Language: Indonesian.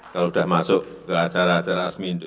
kalau sudah masuk ke acara acara asmindo